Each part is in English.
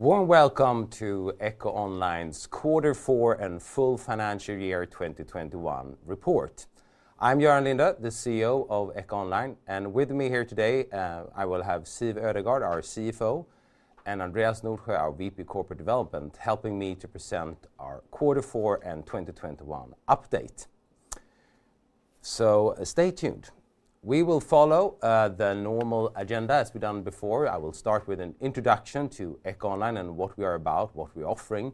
Warm welcome to EcoOnline's quarter four and full financial year 2021 report. I'm Göran Lindö, the CEO of EcoOnline, and with me here today, I will have Siw Ødegaard, our CFO, and Andreas Nordsjö, our VP Corporate Development, helping me to present our quarter four and 2021 update. Stay tuned. We will follow the normal agenda as we've done before. I will start with an introduction to EcoOnline and what we are about, what we're offering,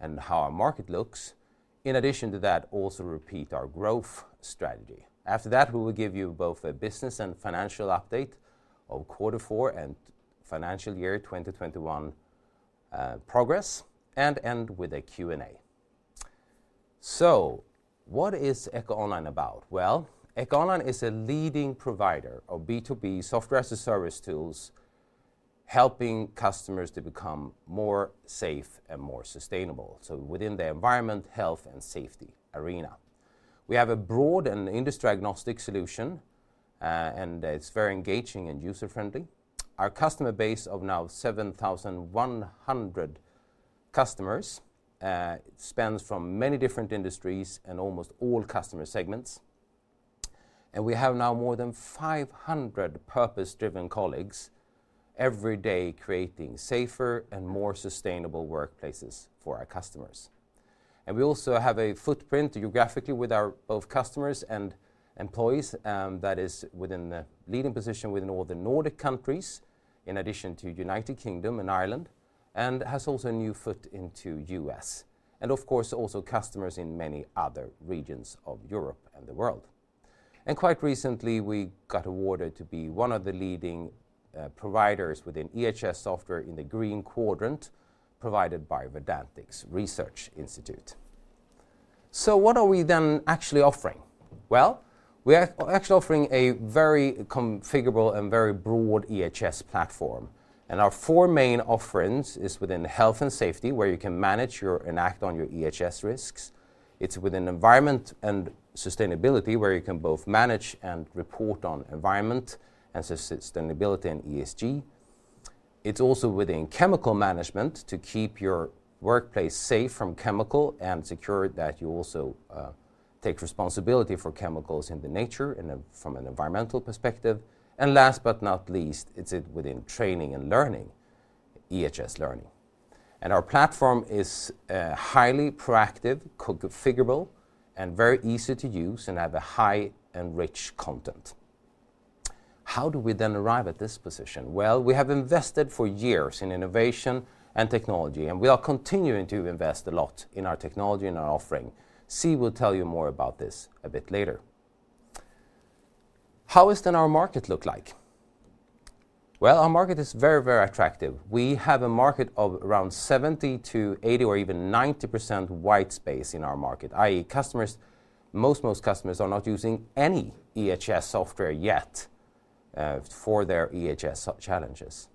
and how our market looks. In addition to that, also repeat our growth strategy. After that, we will give you both a business and financial update of quarter four and financial year 2021 progress, and end with a Q&A. What is EcoOnline about? Well, EcoOnline is a leading provider of B2B software-as-a-service tools, helping customers to become more safe and more sustainable, so within the environment, health, and safety arena. We have a broad and industry-agnostic solution, and it's very engaging and user-friendly. Our customer base of now 7,100 customers spans from many different industries and almost all customer segments. We have now more than 500 purpose-driven colleagues every day creating safer and more sustainable workplaces for our customers. We also have a footprint geographically with our both customers and employees, that is within the leading position within all the Nordic countries, in addition to United Kingdom and Ireland, and has also a new foot into U.S., and of course, also customers in many other regions of Europe and the world. Quite recently, we got awarded to be one of the leading providers within EHS software in the Green Quadrant provided by Verdantix. What are we then actually offering? Well, we are actually offering a very configurable and very broad EHS platform. Our four main offerings is within health and safety, where you can manage and act on your EHS risks. It's within environment and sustainability, where you can both manage and report on environment and sustainability and ESG. It's also within chemical management to keep your workplace safe from chemicals and ensure that you also take responsibility for chemicals in the nature from an environmental perspective. Last but not least, it's within training and learning, EHS learning. Our platform is highly proactive, configurable, and very easy to use and have a high and rich content. How do we then arrive at this position? Well, we have invested for years in innovation and technology, and we are continuing to invest a lot in our technology and our offering. Siw will tell you more about this a bit later. How is then our market look like? Well, our market is very, very attractive. We have a market of around 70%-80% or even 90% white space in our market, i.e., most customers are not using any EHS software yet for their EHS challenges.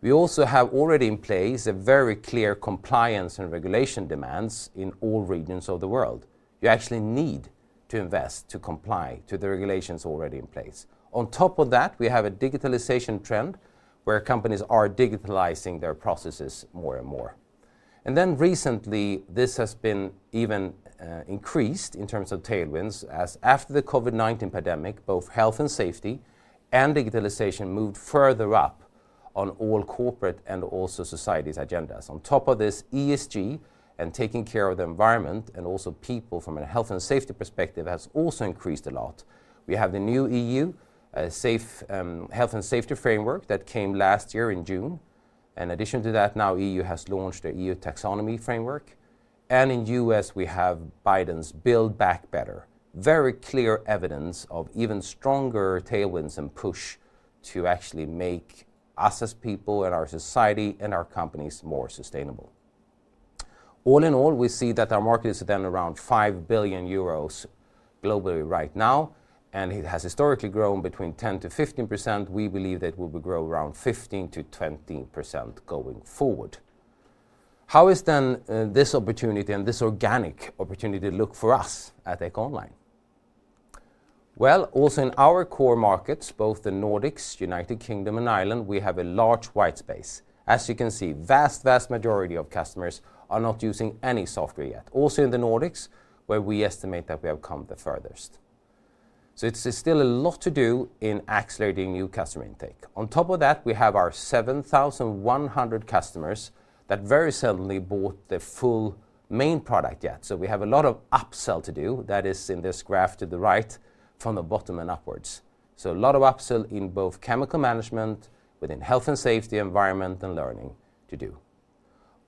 We also have already in place a very clear compliance and regulatory demands in all regions of the world. You actually need to invest to comply to the regulations already in place. On top of that, we have a digitization trend where companies are digitizing their processes more and more.an Recently, this has been even increased in terms of tailwinds as after the COVID-19 pandemic, both health and safety and digitalization moved further up on all corporate and also society's agendas. On top of this, ESG and taking care of the environment and also people from a health and safety perspective has also increased a lot. We have the new EU health and safety framework that came last year in June. In addition to that, now EU has launched an EU taxonomy framework. In the U.S., we have Biden's Build Back Better. Very clear evidence of even stronger tailwinds and push to actually make us as people and our society and our companies more sustainable. All in all, we see that our market is then around 5 billion euros globally right now, and it has historically grown 10%-15%. We believe that it will grow around 15%-20% going forward. How is then this opportunity and this organic opportunity look for us at EcoOnline? Well, also in our core markets, both the Nordics, United Kingdom and Ireland, we have a large white space. As you can see, vast majority of customers are not using any software yet, also in the Nordics, where we estimate that we have come the furthest. It's still a lot to do in accelerating new customer intake. On top of that, we have our 7,100 customers that haven't yet bought the full main product. We have a lot of upsell to do, that is in this graph to the right from the bottom and upwards. A lot of upsell in both chemical management, within health and safety, environment, and learning to do.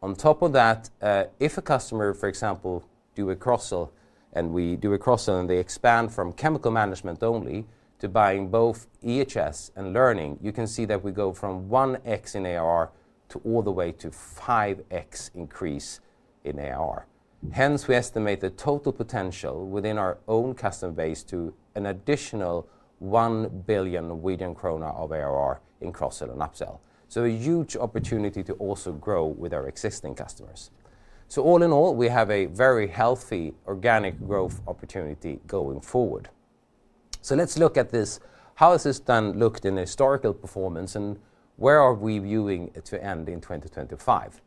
On top of that, if a customer, for example, does a cross-sell, and we do a cross-sell, and they expand from chemical management only to buying both EHS and learning, you can see that we go from 1x in ARR to all the way to 5x increase in ARR. Hence, we estimate the total potential within our own customer base to an additional 1 billion kronor of ARR in cross-sell and upsell. A huge opportunity to also grow with our existing customers. All in all, we have a very healthy organic growth opportunity going forward. Let's look at this. How has this then looked in historical performance, and where are we viewing it to end in 2025?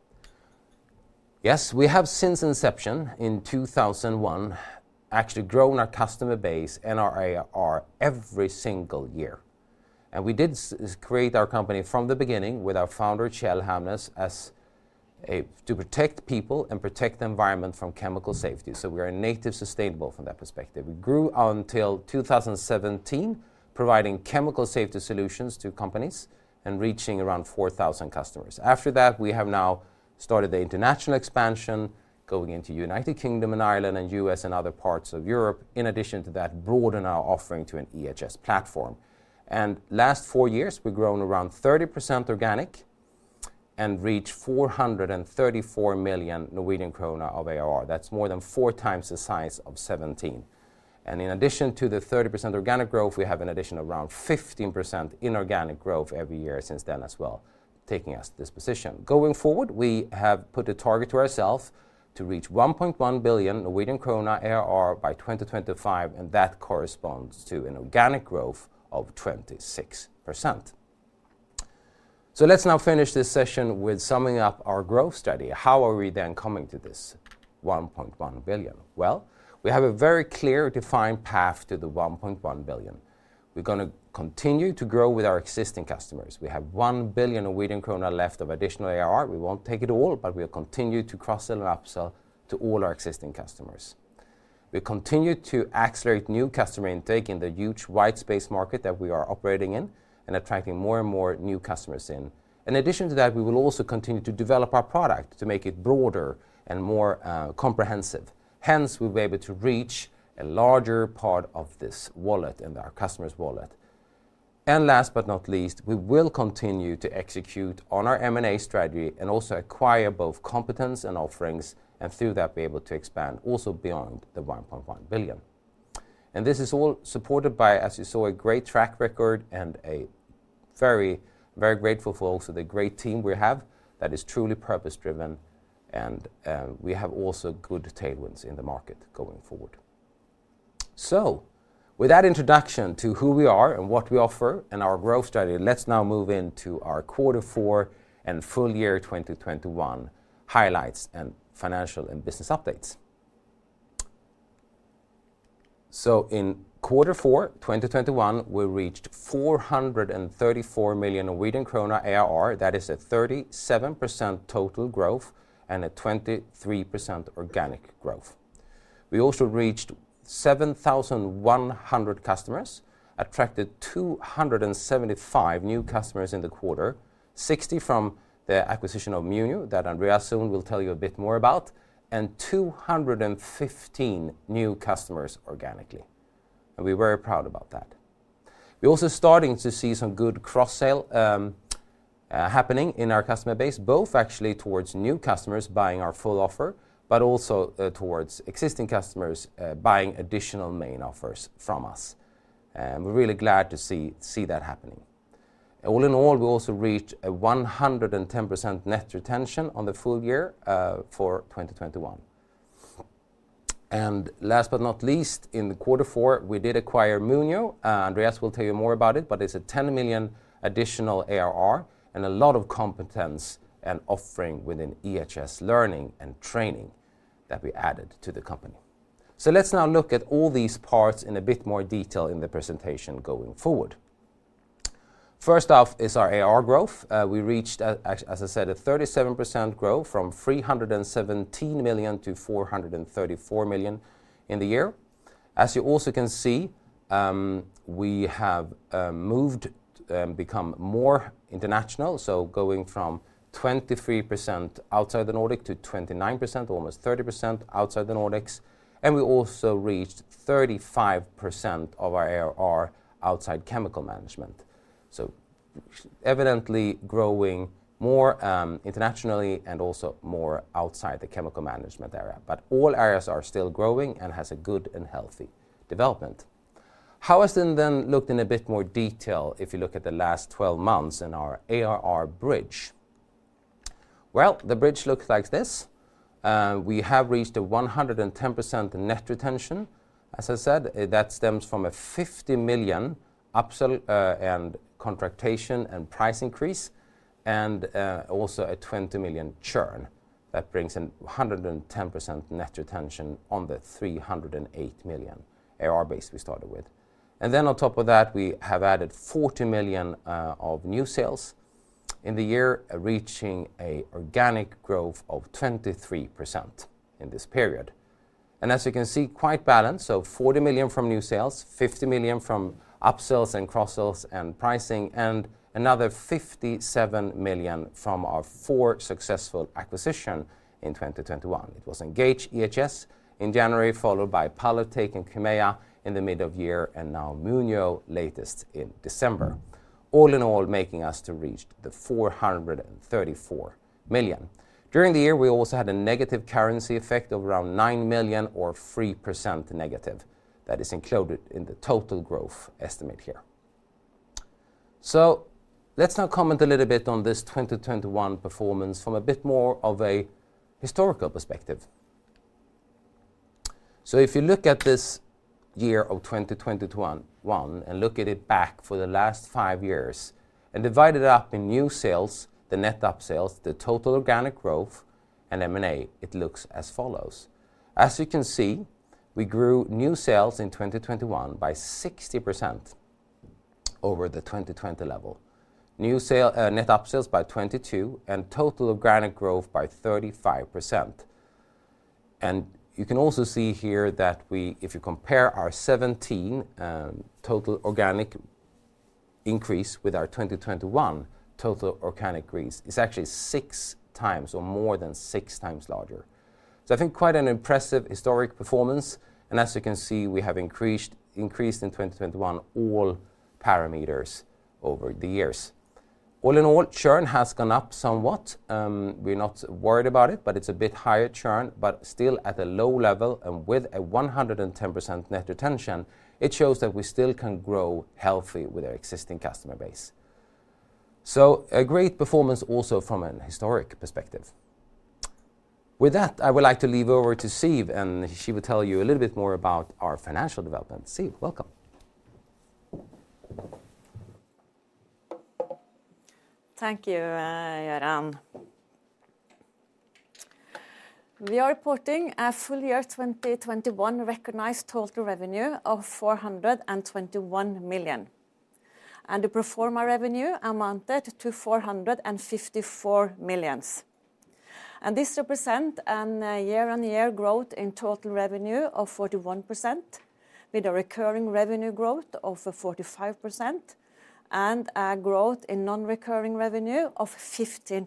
Yes, we have since inception in 2001 actually grown our customer base and our ARR every single year. We did create our company from the beginning with our founder, Kjell Hamnes, to protect people and protect the environment from chemical safety. We are native sustainable from that perspective. We grew until 2017, providing chemical safety solutions to companies and reaching around 4,000 customers. After that, we have now started the international expansion, going into United Kingdom and Ireland and U.S. and other parts of Europe. In addition to that, broaden our offering to an EHS platform. Last 4 years, we've grown around 30% organic and reached 434 million Norwegian krone of ARR. That's more than 4 times the size of 2017. In addition to the 30% organic growth, we have an addition of around 15% inorganic growth every year since then as well, taking us to this position. Going forward, we have put a target to ourselves to reach 1.1 billion Norwegian krone ARR by 2025, and that corresponds to an organic growth of 26%. Let's now finish this session with summing up our growth study. How are we then coming to this 1.1 billion? Well, we have a very clear defined path to the 1.1 billion. We're gonna continue to grow with our existing customers. We have 1 billion left of additional ARR. We won't take it all, but we'll continue to cross-sell and upsell to all our existing customers. We continue to accelerate new customer intake in the huge white space market that we are operating in and attracting more and more new customers in. In addition to that, we will also continue to develop our product to make it broader and more comprehensive. Hence, we'll be able to reach a larger part of this wallet, in our customers' wallet. Last but not least, we will continue to execute on our M&A strategy and also acquire both competence and offerings and through that be able to expand also beyond the 1.1 billion. This is all supported by, as you saw, a great track record and we're very, very grateful for the great team we have that is truly purpose-driven, and we have also good tailwinds in the market going forward. With that introduction to who we are and what we offer and our growth strategy, let's now move into our quarter four and full year 2021 highlights and financial and business updates. In quarter four, 2021, we reached 434 million Norwegian krone ARR. That is a 37% total growth and a 23% organic growth. We also reached 7,100 customers, attracted 275 new customers in the quarter, 60 from the acquisition of Munio that Andreas soon will tell you a bit more about, and 215 new customers organically. We're very proud about that. We're also starting to see some good cross-sale happening in our customer base, both actually towards new customers buying our full offer but also towards existing customers buying additional main offers from us. We're really glad to see that happening. All in all, we also reached a 110% net retention on the full year for 2021. Last but not least, in quarter four, we did acquire Munio. Andreas will tell you more about it, but it's 10 million additional ARR and a lot of competence and offering within EHS learning and training that we added to the company. Let's now look at all these parts in a bit more detail in the presentation going forward. First off is our ARR growth. We reached, as I said, a 37% growth from 317 million to 434 million in the year. As you also can see, we have moved, become more international, so going from 23% outside the Nordic to 29%, almost 30% outside the Nordics. We also reached 35% of our ARR outside chemical management. Evidently growing more, internationally and also more outside the chemical management area. All areas are still growing and has a good and healthy development. How has it then looked in a bit more detail if you look at the last 12 months in our ARR bridge? Well, the bridge looks like this. We have reached a 110% net retention. As I said, that stems from a 50 million upsell and contraction and price increase and also a 20 million churn that brings in 110% net retention on the 308 million ARR base we started with. On top of that, we have added 40 million of new sales in the year, reaching a 23% organic growth in this period. As you can see, quite balanced, 40 million from new sales, 50 million from upsells and cross-sells and pricing, and another 57 million from our four successful acquisitions in 2021. It was Engage EHS in January, followed by Pilotech and Chymeia in the mid of year, and now Munio latest in December, all in all making us reach the 434 million. During the year, we also had a negative currency effect of around 9 million or 3% negative that is included in the total growth estimate here. Let's now comment a little bit on this 2021 performance from a bit more of a historical perspective. If you look at this year of 2021 and look at it back for the last five years and divide it up in new sales, the net upsells, the total organic growth, and M&A, it looks as follows. As you can see, we grew new sales in 2021 by 60% over the 2020 level. Net upsells by 22%, and total organic growth by 35%. You can also see here that if you compare our 2017 total organic increase with our 2021 total organic increase, it's actually six times or more than six times larger. I think quite an impressive historic performance. As you can see, we have increased in 2021 all parameters over the years. All in all, churn has gone up somewhat. We're not worried about it, but it's a bit higher churn, but still at a low level and with a 110% net retention, it shows that we still can grow healthy with our existing customer base. A great performance also from an historic perspective. With that, I would like to leave over to Siw, and she will tell you a little bit more about our financial development. Siw, welcome. Thank you, Göran. We are reporting a full year 2021 recognized total revenue of 421 million, and the pro forma revenue amounted to 454 million. This represents a year-on-year growth in total revenue of 41% with a recurring revenue growth of 45% and a growth in non-recurring revenue of 15%.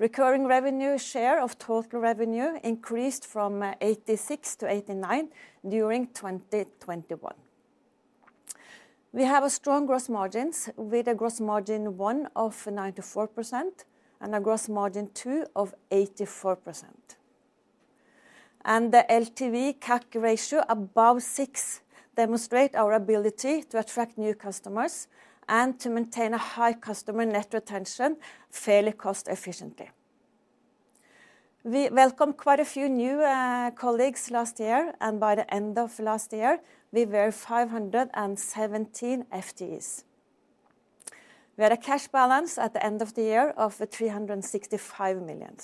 Recurring revenue share of total revenue increased from 86% to 89% during 2021. We have strong gross margins with a gross margin one of 94% and a gross margin two of 84%. The LTV/CAC ratio above 6 demonstrates our ability to attract new customers and to maintain a high customer net retention fairly cost efficiently. We welcomed quite a few new colleagues last year, and by the end of last year, we were 517 FTEs. We had a cash balance at the end of the year of 365 million.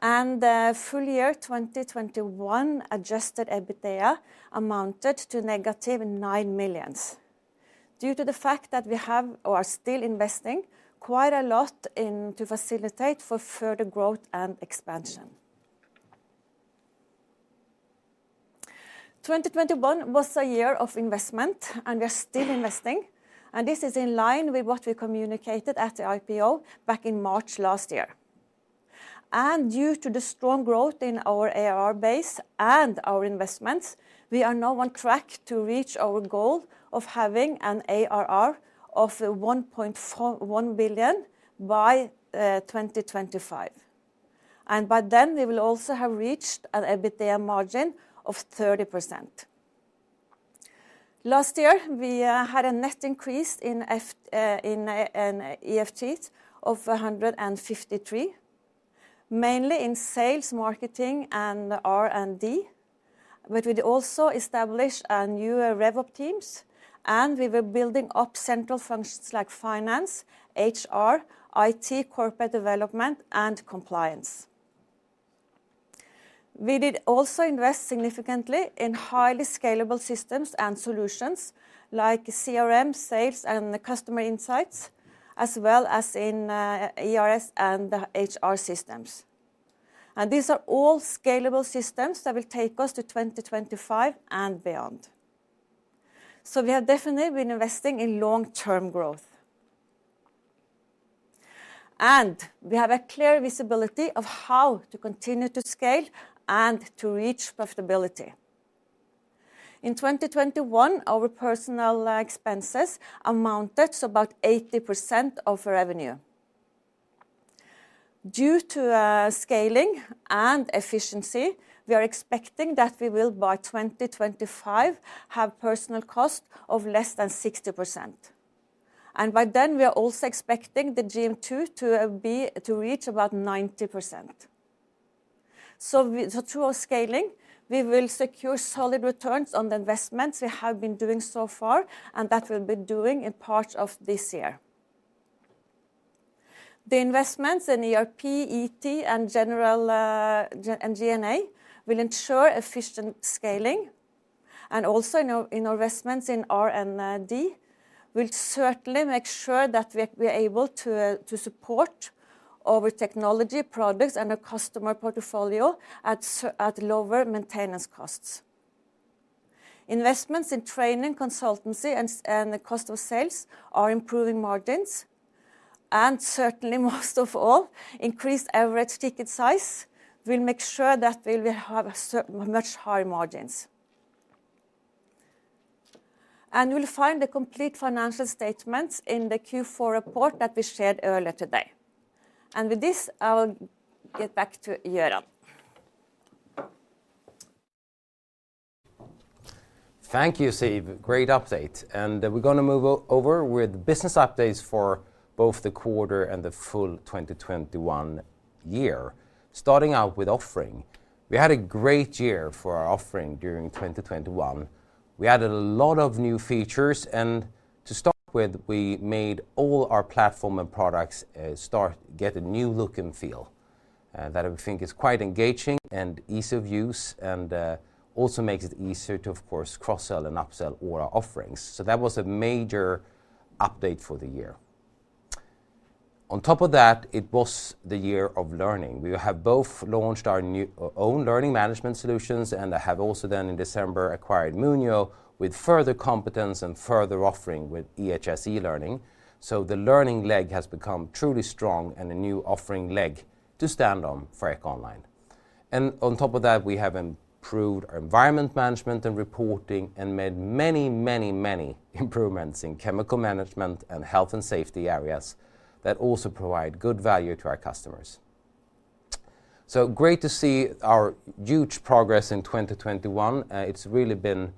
The full year 2021 adjusted EBITDA amounted to -9 million due to the fact that we have or are still investing quite a lot into facilitate for further growth and expansion. 2021 was a year of investment, and we are still investing, and this is in line with what we communicated at the IPO back in March last year. Due to the strong growth in our ARR base and our investments, we are now on track to reach our goal of having an ARR of 1 billion by 2025. By then, we will also have reached an EBITDA margin of 30%. Last year, we had a net increase in FTEs of 153, mainly in sales, marketing, and R&D. We'd also established our new RevOps teams, and we were building up central functions like finance, HR, IT, corporate development, and compliance. We did also invest significantly in highly scalable systems and solutions like CRM, sales, and customer insights, as well as in ERP and HR systems. These are all scalable systems that will take us to 2025 and beyond. We have definitely been investing in long-term growth. We have a clear visibility of how to continue to scale and to reach profitability. In 2021, our personnel expenses amounted to about 80% of revenue. Due to scaling and efficiency, we are expecting that we will by 2025 have personnel cost of less than 60%. By then, we are also expecting the GM2 to reach about 90%. Through our scaling, we will secure solid returns on the investments we have been doing so far and that we'll be doing in part of this year. The investments in ERP, IT, and general G&A will ensure efficient scaling, and also in investments in R&D, we'll certainly make sure that we are able to support our technology products and our customer portfolio at lower maintenance costs. Investments in training, consultancy, and the cost of sales are improving margins, and certainly most of all, increased average ticket size will make sure that we will have much higher margins. You'll find the complete financial statements in the Q4 report that we shared earlier today. With this, I will get back to Göran. Thank you, Siw Ødegaard. Great update. We're gonna move over with business updates for both the quarter and the full 2021 year. Starting out with offering. We had a great year for our offering during 2021. We added a lot of new features, and to start with, we made all our platform and products get a new look and feel that I think is quite engaging and ease of use and also makes it easier to, of course, cross-sell and up-sell all our offerings. That was a major update for the year. On top of that, it was the year of learning. We have both launched our new, our own learning management solutions and have also then in December acquired Munio with further competence and further offering with EHS eLearning. The learning leg has become truly strong and a new offering leg to stand on for EcoOnline. On top of that, we have improved our environmental management and reporting and made many improvements in chemical management and health and safety areas that also provide good value to our customers. Great to see our huge progress in 2021. It's really been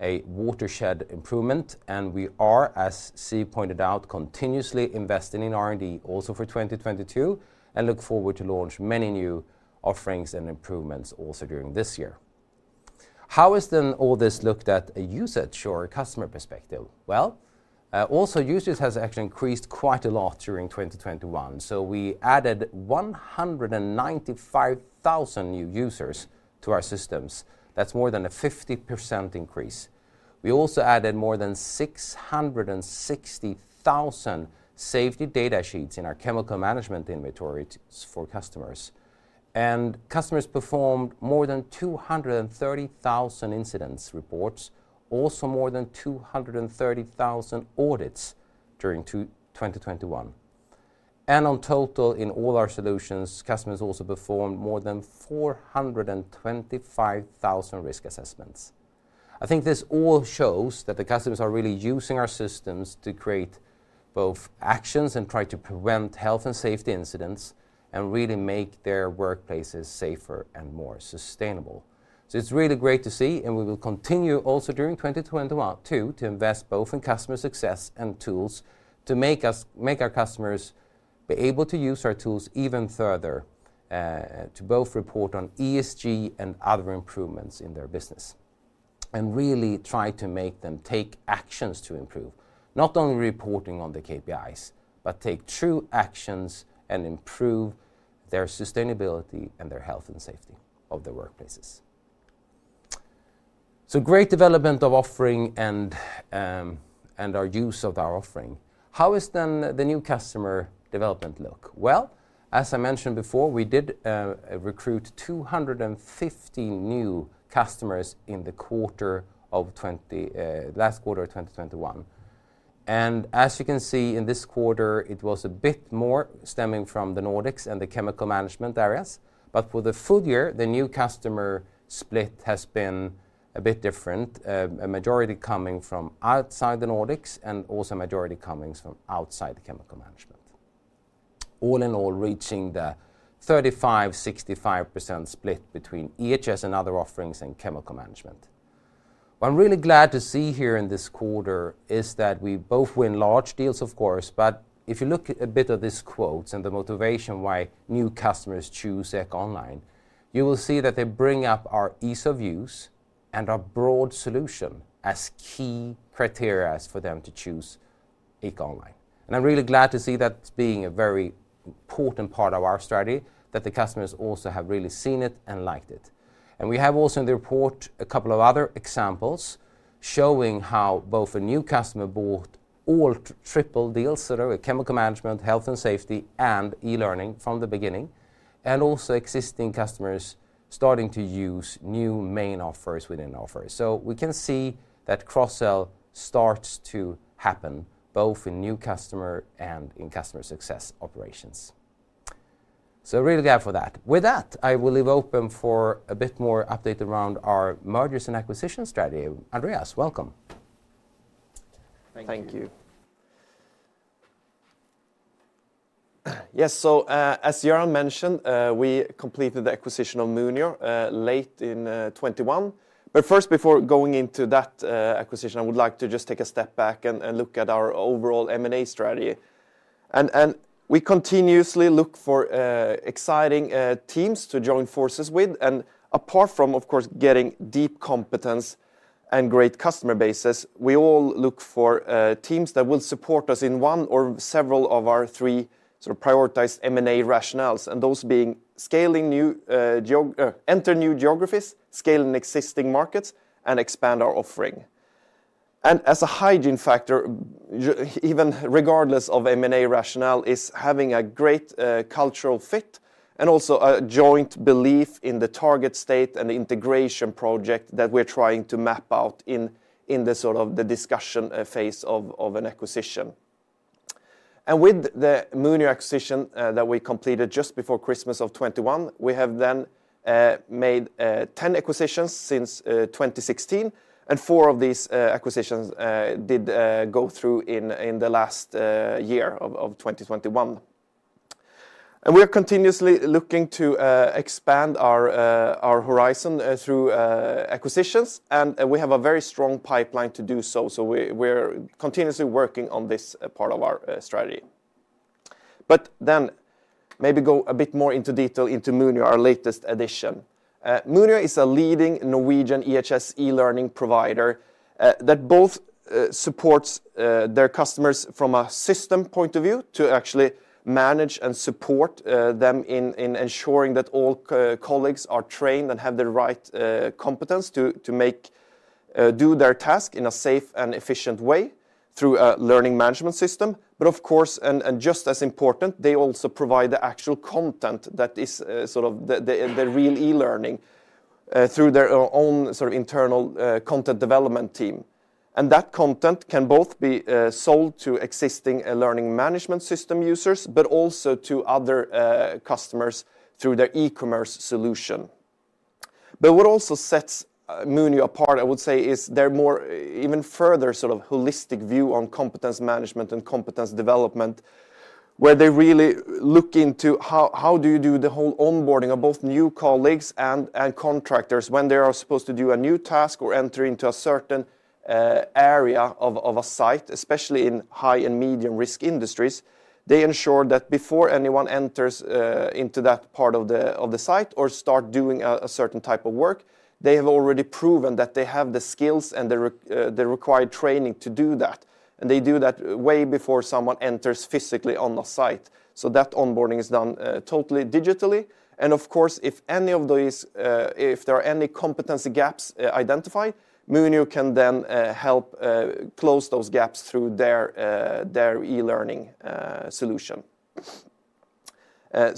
a watershed improvement, and we are, as Siw Ødegaard pointed out, continuously investing in R&D also for 2022 and look forward to launch many new offerings and improvements also during this year. How is then all this looked at a usage or a customer perspective? Well, also usage has actually increased quite a lot during 2021. We added 195,000 new users to our systems. That's more than a 50% increase. We also added more than 660,000 safety data sheets in our chemical management inventory for customers. Customers performed more than 230,000 incident reports, also more than 230,000 audits during 2021. In total, in all our solutions, customers also performed more than 425,000 risk assessments. I think this all shows that the customers are really using our systems to create both actions and try to prevent health and safety incidents and really make their workplaces safer and more sustainable. It's really great to see, and we will continue also during 2022 to invest both in customer success and tools to make our customers be able to use our tools even further, to both report on ESG and other improvements in their business. Really try to make them take actions to improve, not only reporting on the KPIs, but take true actions and improve their sustainability and their health and safety of their workplaces. Great development of offering and our use of our offering. How is then the new customer development look? Well, as I mentioned before, we did recruit 250 new customers in the last quarter of 2021. As you can see, in this quarter, it was a bit more stemming from the Nordics and the chemical management areas. For the full year, the new customer split has been a bit different, a majority coming from outside the Nordics and also a majority coming from outside the chemical management. All in all, reaching the 35%/65% split between EHS and other offerings in chemical management. What I'm really glad to see here in this quarter is that we both win large deals, of course, but if you look a bit at these quotes and the motivation why new customers choose EcoOnline, you will see that they bring up our ease of use and our broad solution as key criteria for them to choose EcoOnline. I'm really glad to see that being a very important part of our strategy, that the customers also have really seen it and liked it. We have also in the report a couple of other examples showing how both a new customer bought all three deals that are chemical management, health and safety, and e-learning from the beginning, and also existing customers starting to use new main offers within offers. We can see that cross-sell starts to happen both in new customer and in customer success operations. Really glad for that. With that, I will leave open for a bit more update around our mergers and acquisition strategy. Andreas Nordsjö, welcome. Thank you. Thank you. Yes. As Göran mentioned, we completed the acquisition of Munio late in 2021. First, before going into that acquisition, I would like to just take a step back and look at our overall M&A strategy. We continuously look for exciting teams to join forces with. Apart from, of course, getting deep competence and great customer bases, we also look for teams that will support us in one or several of our three sort of prioritized M&A rationales, and those being enter new geographies, scale in existing markets, and expand our offering. As a hygiene factor, even regardless of M&A rationale, is having a great cultural fit and also a joint belief in the target state and integration project that we're trying to map out in the sort of the discussion phase of an acquisition. With the Munio acquisition that we completed just before Christmas of 2021, we have made 10 acquisitions since 2016, and 4 of these acquisitions did go through in the last year of 2021. We are continuously looking to expand our horizon through acquisitions, and we have a very strong pipeline to do so. We're continuously working on this part of our strategy. Maybe go a bit more into detail into Munio, our latest addition. Munio is a leading Norwegian EHS e-learning provider that both supports their customers from a system point of view to actually manage and support them in ensuring that all colleagues are trained and have the right competence to do their task in a safe and efficient way through a learning management system. Of course, just as important, they also provide the actual content that is sort of the real e-learning through their own sort of internal content development team. That content can both be sold to existing learning management system users but also to other customers through their e-commerce solution. What also sets Munio apart, I would say, is their more even further sort of holistic view on competence management and competence development, where they really look into how do you do the whole onboarding of both new colleagues and contractors when they are supposed to do a new task or enter into a certain area of a site, especially in high and medium-risk industries. They ensure that before anyone enters into that part of the site or start doing a certain type of work, they have already proven that they have the skills and the required training to do that, and they do that way before someone enters physically on the site. That onboarding is done totally digitally. Of course, if there are any competency gaps identified, Munio can then help close those gaps through their e-learning solution. I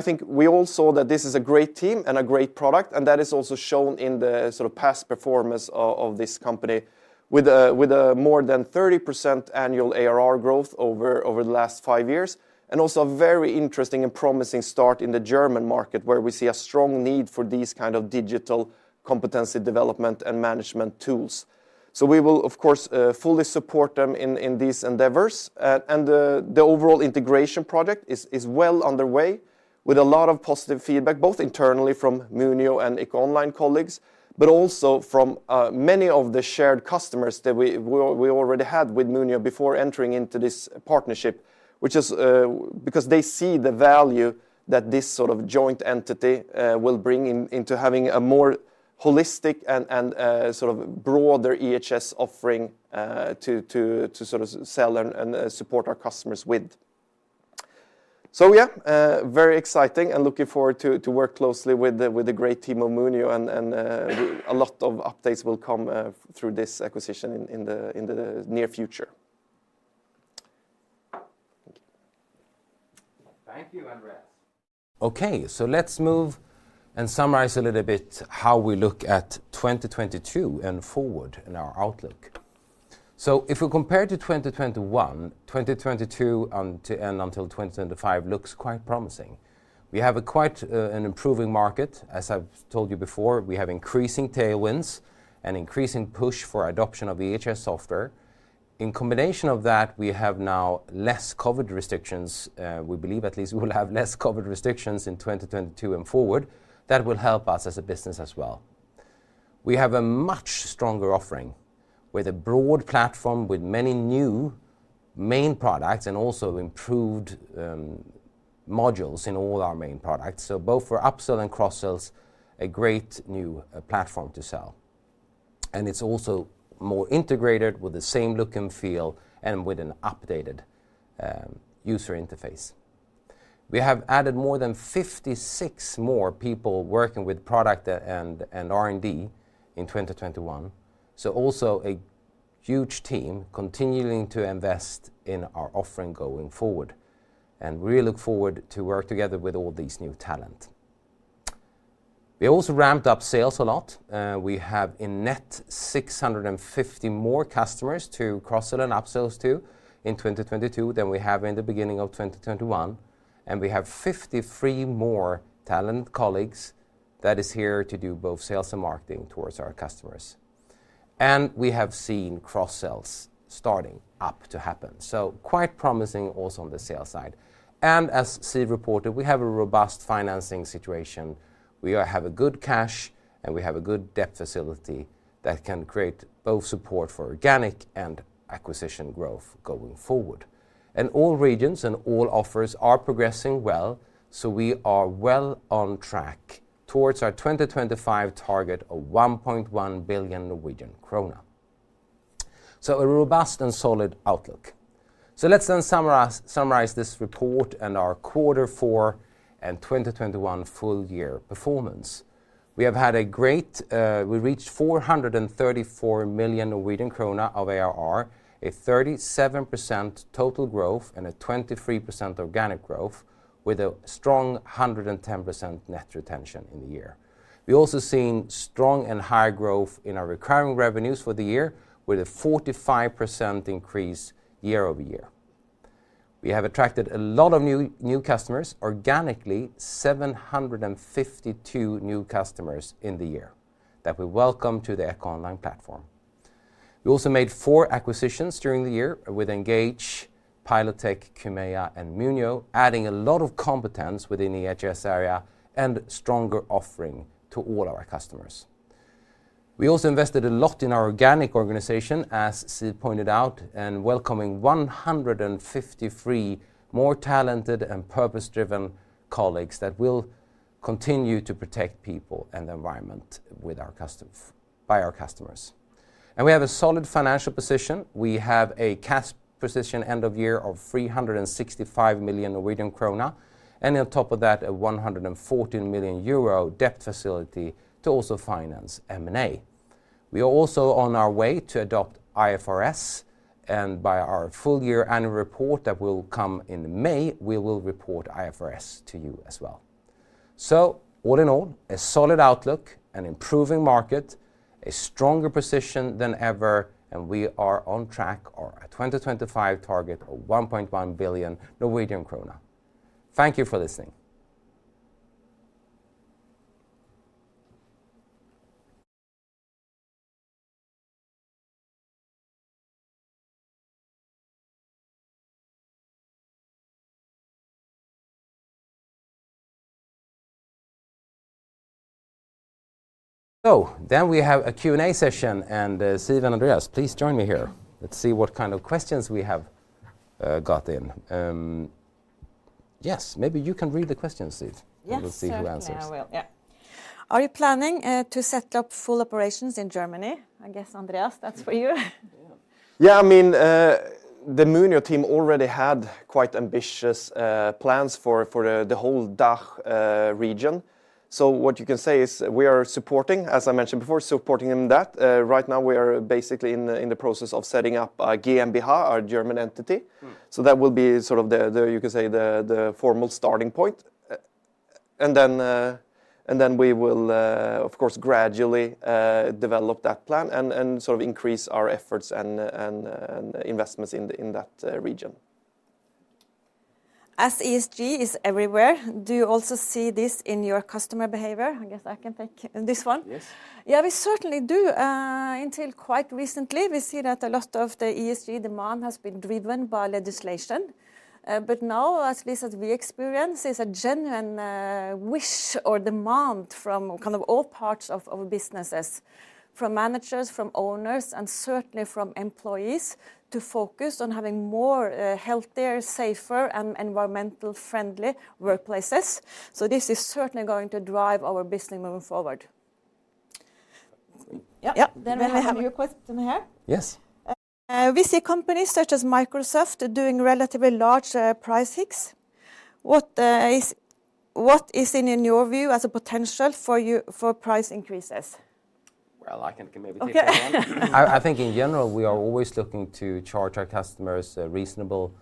think we all saw that this is a great team and a great product, and that is also shown in the sort of past performance of this company with a more than 30% annual ARR growth over the last 5 years, and also a very interesting and promising start in the German market, where we see a strong need for these kind of digital competency development and management tools. We will of course fully support them in these endeavors. The overall integration project is well underway with a lot of positive feedback, both internally from Munio and EcoOnline colleagues, but also from many of the shared customers that we already had with Munio before entering into this partnership, which is because they see the value that this sort of joint entity will bring into having a more holistic and sort of broader EHS offering to sort of sell and support our customers with. Yeah, very exciting and looking forward to work closely with the great team of Munio and a lot of updates will come through this acquisition in the near future. Thank you. Thank you, Andreas. Okay, let's move and summarize a little bit how we look at 2022 and forward in our outlook. If we compare to 2021, 2022 until 2025 looks quite promising. We have quite an improving market. As I've told you before, we have increasing tailwinds and increasing push for adoption of EHS software. In combination of that, we have now less COVID restrictions. We believe at least we will have less COVID restrictions in 2022 and forward that will help us as a business as well. We have a much stronger offering with a broad platform, with many new main products and also improved modules in all our main products. Both for upsell and cross-sells, a great new platform to sell. It's also more integrated with the same look and feel and with an updated user interface. We have added more than 56 more people working with product and R&D in 2021. Also a huge team continuing to invest in our offering going forward, and really look forward to work together with all these new talent. We also ramped up sales a lot. We have a net 650 more customers to cross-sell and up-sells to in 2022 than we have in the beginning of 2021, and we have 53 more talent colleagues that is here to do both sales and marketing towards our customers. We have seen cross-sells starting up to happen, so quite promising also on the sales side. As Siw Ødegaard reported, we have a robust financing situation. We have a good cash, and we have a good debt facility that can create both support for organic and acquisition growth going forward. All regions and all offers are progressing well, so we are well on track towards our 2025 target of 1.1 billion Norwegian krone. A robust and solid outlook. Let's summarize this report and our quarter four and 2021 full-year performance. We reached 434 million Norwegian krone of ARR, a 37% total growth and a 23% organic growth with a strong 110% net retention in the year. We also saw strong and high growth in our recurring revenues for the year with a 45% increase year-over-year. We have attracted a lot of new customers organically, 752 new customers in the year that we welcome to the EcoOnline platform. We also made 4 acquisitions during the year with Engage EHS, Pilotech, Chymeia, and Munio, adding a lot of competence within the EHS area and stronger offering to all our customers. We also invested a lot in our organic organization, as Siw pointed out, and welcoming 153 more talented and purpose-driven colleagues that will continue to protect people and the environment with our customers by our customers. We have a solid financial position. We have a cash position end of year of 365 million Norwegian krone, and on top of that, a 114 million euro debt facility to also finance M&A. We are also on our way to adopt IFRS, and by our full-year annual report that will come in May, we will report IFRS to you as well. All in all, a solid outlook, an improving market, a stronger position than ever, and we are on track for our 2025 target of 1.1 billion Norwegian krone. Thank you for listening. We have a Q&A session, and, Siw and Andreas, please join me here. Let's see what kind of questions we have got in. Yes. Maybe you can read the questions, Siw. Yes. We'll see who answers. Certainly I will. Yeah. Are you planning to set up full operations in Germany? I guess, Andreas, that's for you. Yeah. Yeah, I mean, the Munio team already had quite ambitious plans for the whole DACH region. What you can say is we are supporting them, as I mentioned before. Right now we are basically in the process of setting up GmbH, our German entity. That will be sort of the, you can say, the formal starting point. Then we will, of course, gradually develop that plan and sort of increase our efforts and investments in that region. As ESG is everywhere, do you also see this in your customer behavior? I guess I can take this one. Yes. Yeah, we certainly do. Until quite recently, we see that a lot of the ESG demand has been driven by legislation. Now, at least what we experience, is a genuine wish or demand from kind of all parts of our businesses, from managers, from owners, and certainly from employees to focus on having more healthier, safer, and environmental friendly workplaces. This is certainly going to drive our business moving forward. Yeah. Yeah. We have a new question here. Yes. We see companies such as Microsoft doing relatively large price hikes. What is in your view as a potential for you for price increases? Well, I can maybe take that one. Okay. I think in general, we are always looking to charge our customers a reasonable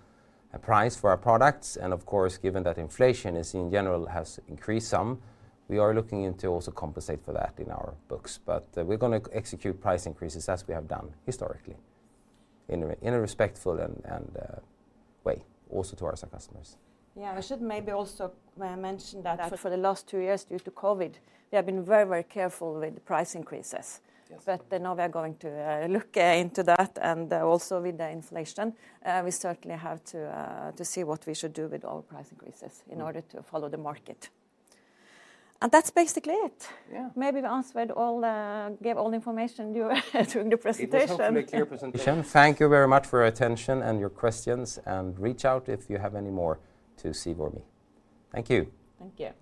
price for our products, and of course, given that inflation is in general has increased some, we are looking into also compensate for that in our books. We're gonna execute price increases as we have done historically in a respectful and way also to our customers. Yeah. I should maybe also mention that for the last two years due to COVID, we have been very, very careful with price increases. Yes. Now we are going to look into that and also with the inflation, we certainly have to see what we should do with our price increases in order to follow the market. That's basically it. Yeah. Maybe we answered all, gave all information you during the presentation. It was hopefully a clear presentation. Thank you very much for your attention and your questions, and reach out if you have any more to Siw or me. Thank you. Thank you.